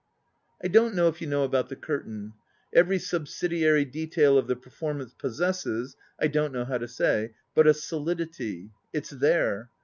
"I don't know if you know about the curtain. Every subsidiary detail of the performance possesses, I don't know how to say, but a solidity. It's there.